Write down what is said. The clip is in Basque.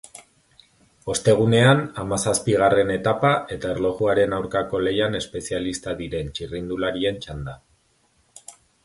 Ostegunean, hamazazpigarren etapa eta erlojuaren aurkako lehian espezialista diren txirrindularien txanda.